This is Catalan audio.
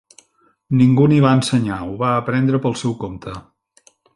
Ningú n'hi va ensenyar; ho va aprendre pel seu compte.